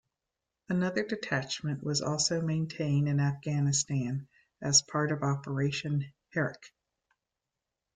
Another detachment was also maintained in Afghanistan, as part of Operation Herrick.